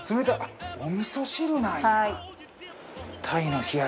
お味噌汁なんや！